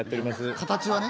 形はね。